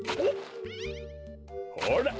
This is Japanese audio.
ほら！